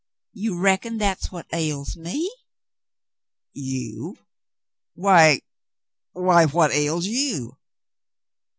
You reckon that's what ails me ?" "You ? Why, — why what ails you